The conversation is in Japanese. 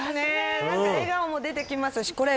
笑顔も出てきますしこれ、